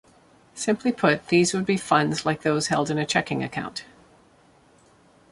Simply put, these would be funds like those held in a checking account.